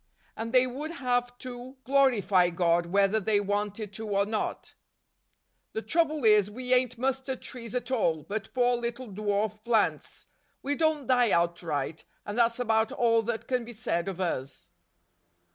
And they would have to glorify God whether they wanted to or not. The trouble is, we ain't mustard trees at all, but poor little dwarf plants; we don't die outright, and that's about all that can be said of us